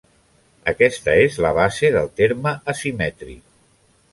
Aquesta és la base del terme asimètric.